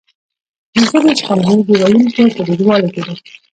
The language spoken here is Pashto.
د ژبې شتمني د ویونکو په ډیروالي کې ده.